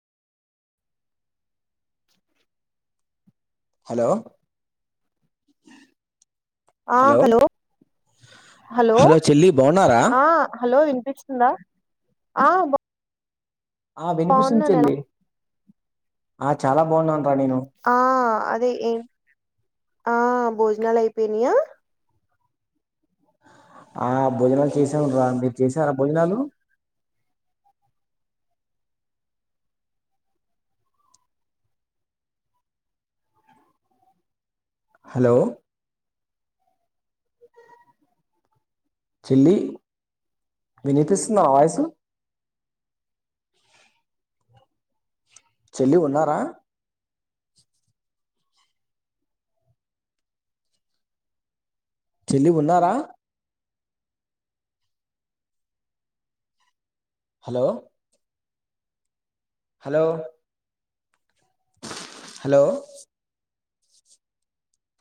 hello ఆ hello hello చెల్లి బాగున్నారా ఆ హలో విన్పిచ్ చిందా ఆ ఆ వినిపిస్తుంది బాగున్నాను ఎలా- చెల్లి ఆ చాలా బాగున్నానురా నేను ఆ అదే ఏం ఆ భోజనాలు అయిపోయినయా ఆ భోజనాలు చేశాంరా మీరు చేసారా భోజనాలు [inaudible] హలో చెల్లి వినిపిస్తుందా వాయిసు చెల్లి ఉన్నారా చెల్లి ఉన్నారా హలో హలో హలో